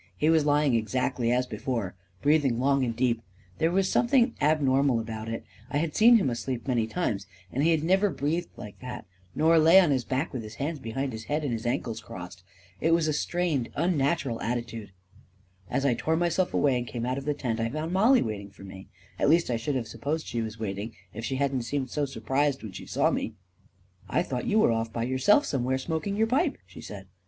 He was lying exactly as before, breathing long and deep. There was something abnormal about it : I had seen him asleep many times, and he had never breathed like that — nor lay on his back with his hands be hind his head and his ankles crossed* It was a strained, unnatural attitude ... As I tore myself away and came out of the tent, I found Mollie waiting for me — at least, I should have supposed she was waiting, if she hadn't seemed so surprised when she saw me. 282 A KING IN BABYLON u I thought you were off by yourself somewhere smoking your pipe,' 9 she said.